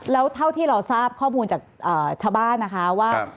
แล้วเท่าที่เราทราบข้อมูลจากชาวบ้านนะคะว่า